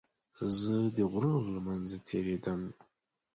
زه د غرونو له منځه تېرېدم.